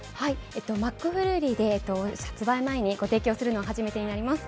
マックフルーリーで発売前にご提供するのは初めてとなります。